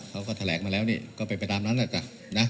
เขาก็แถลงมาแล้วนี่ก็เป็นไปตามนั้นแหละจ้ะนะ